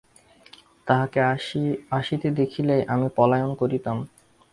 তাহাকে আসিতে দেখিলেই আমি পলায়ন করিতাম।